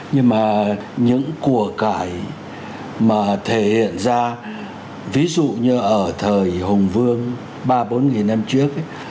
nhưng mà những của cải mà thể hiện ra ví dụ như ở thời hùng vương ba bốn năm trước ấy